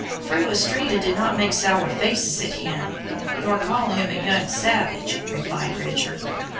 "Fru Astrida did not make sour faces at him, nor call him a young savage," replied Richard.